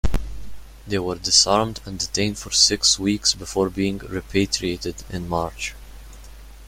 They were disarmed and detained for six weeks before being repatriated in March.